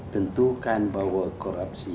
tentukan bahwa korupsi